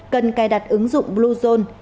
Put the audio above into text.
cần cài đặt ứng dụng bluezone